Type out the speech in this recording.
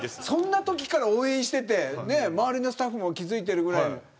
そんなときから応援していて周りのスタッフも気付いている。